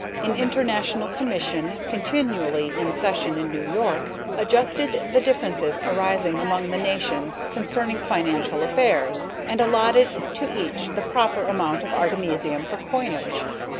An international commission, continually in session in New York, adjusted the differences arising among the nations concerning financial affairs, and allotted to each the proper amount of artemisium for coinage.